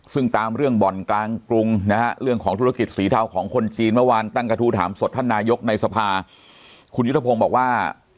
ซึ่งตามเรื่องบ่อนกลางกรุงนะฮะเรื่องของธุรกิจสีเทาของคนจีนเมื่อวานตั้งกระทู้ถามสดท่านนายกในสภาคุณยุทธพงศ์บอกว่า